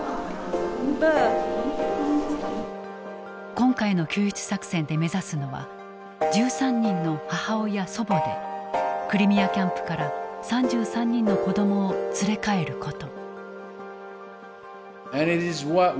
今回の救出作戦で目指すのは１３人の母親祖母でクリミアキャンプから３３人の子どもを連れ帰ること。